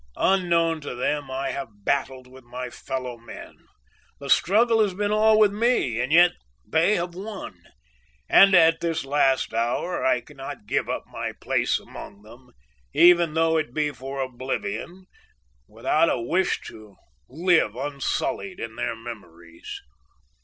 Unknown to them, I have battled with my fellow men; the struggle has been all with me and yet they have won, and at this last hour I cannot give up my place among them, even though it be for oblivion, without a wish to live unsullied in their memories.